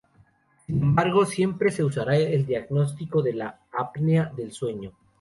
Sin embargo, siempre se usará para el diagnóstico de la apnea de sueño.